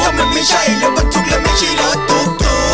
ก็มันไม่ใช่รถบันทุกข์และไม่ใช่รถตุ๊กตุ๊ก